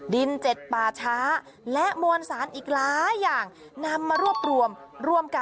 ดินเจ็ดป่าช้าและมวลสารอีกหลายอย่างนำมารวบรวม